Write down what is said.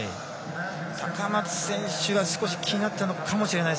高松選手は少し気になったのかもしれません。